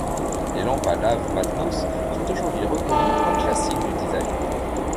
Les lampes à lave Mathmos sont aujourd'hui reconnues comme un classique du design.